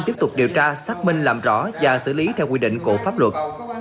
tiếp tục điều tra xác minh làm rõ và xử lý theo quy định của pháp luật